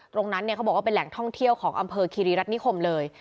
ตรงนั้นเนี่ยเขาบอกว่าเป็นแหล่งท่องเที่ยวของอำเภอคิริรัฐนิคมเลย